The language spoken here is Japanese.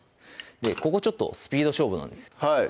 ここちょっとスピード勝負なんです